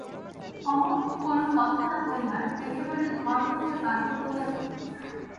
অমল কোনো কথা না বলিয়া একেবারে ঘর হইতে বাহির হইয়া গেল।